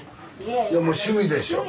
もう趣味でしょ。